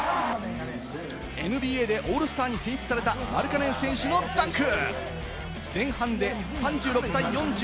ＮＢＡでオールスターに選出された、マルカネン選手のダンク！